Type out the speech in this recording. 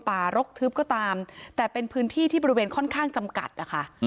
รกทึบก็ตามแต่เป็นพื้นที่ที่บริเวณค่อนข้างจำกัดนะคะ